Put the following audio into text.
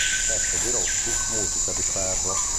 Testo di Rossi, musica di Ferro.